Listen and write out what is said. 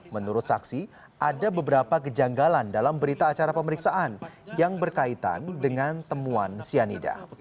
menurut saksi ada beberapa kejanggalan dalam berita acara pemeriksaan yang berkaitan dengan temuan cyanida